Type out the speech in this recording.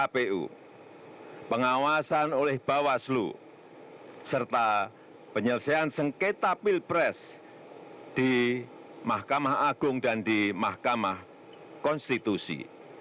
pengawasan oleh bawaslu serta penyelesaian sengketa pilpres di mahkamah agung dan di mahkamah konstitusi